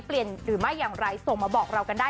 หรือไม่อย่างไรส่งมาบอกเรากันได้